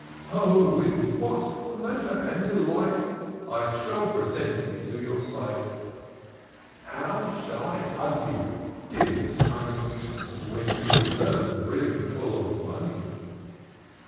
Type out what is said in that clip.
Oh ! with what pleasure and delight I shall present me to your sight ! How shall I hug you, dearest honey, When you return, brimful of money